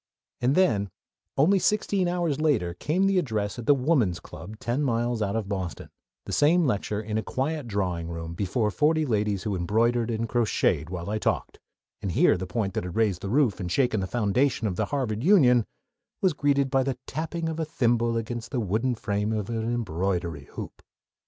And then, only sixteen hours later, came the address at the Woman's Club ten miles out of Boston; the same lecture, in a quiet drawing room, before forty ladies who embroidered and crocheted while I talked, and here the point that had raised the roof and shaken the foundations of the Harvard Union was greeted by the tapping of a thimble against the wooden frame of an embroidery hoop!